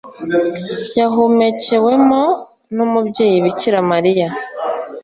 yahumekewemo n’umubyeyi bikira mariya